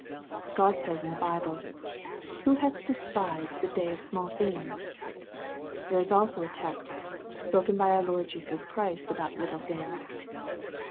God says in the Bible, " Who hath despised the day of small things ?" There is also a text spoken by our Lord Jesus Christ about little things.